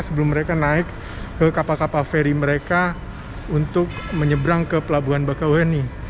sebelum mereka naik ke kapal kapal feri mereka untuk menyeberang ke pelabuhan bakauheni